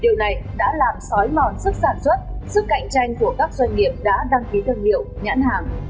điều này đã làm sói mòn sức sản xuất sức cạnh tranh của các doanh nghiệp đã đăng ký thương hiệu nhãn hàng